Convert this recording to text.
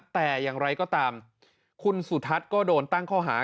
แต่อย่างไรก็ตามคุณสุทัศน์ก็โดนตั้งข้อหา